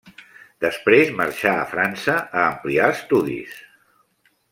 Després marxà a França a ampliar estudis.